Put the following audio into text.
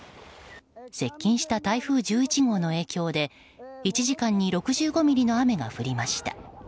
接近した台風１１号の影響で１時間に６５ミリの雨が降りました。